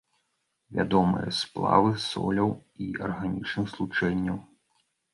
Вядомыя сплавы соляў і арганічных злучэнняў.